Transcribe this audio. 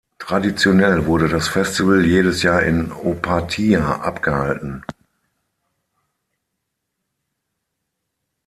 Traditionell wurde das Festival jedes Jahr in Opatija abgehalten.